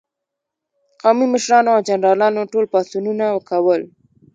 قومي مشرانو او جنرالانو ټول پاڅونونه کول.